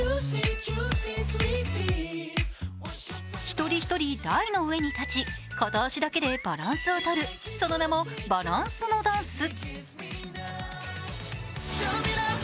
一人一人、台の上に立ち片足だけでバランスをとるその名も、バランすのダンス。